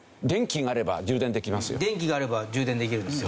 電気があれば充電できるんですよ。